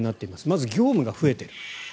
まず、業務が増えている。